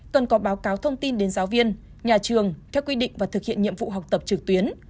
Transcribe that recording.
cần có báo cáo thông tin đến giáo viên nhà trường theo quy định và thực hiện nhiệm vụ học tập trực tuyến